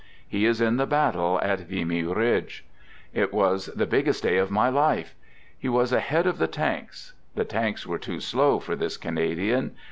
He is in the battle at Vimy Ridge. " It was the biggest day of my life." He was ahead of the tanks. The tanks were too slow for this Canadian.